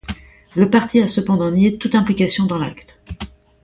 La parti a cependant nié toute implication dans l'acte.